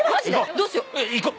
どうしよう。